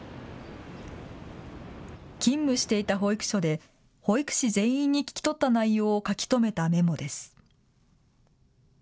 勤務していた保育所で保育士全員に聞き取った内容を書き留めたメモです。